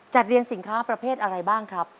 เรียนสินค้าประเภทอะไรบ้างครับ